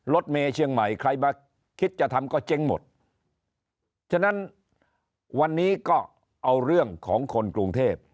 รถเมย์เชียงใหม่ใครมาคิดจะทำก็เจ๊งหมดฉะนั้นวันนี้ก็เอาเรื่องของคนกรุงเทพ